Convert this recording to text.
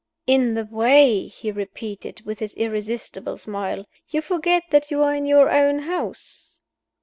"In the way?" he repeated, with his irresistible smile. "You forget that you are in your own house!"